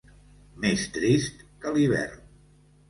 Més trist que l'hivern.